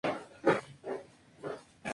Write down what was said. Five World Trade Center ocupará su lugar.